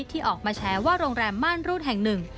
ที่ออกมาแชร์ว่าโรงแรมม่านรูดแห่งหนึ่ง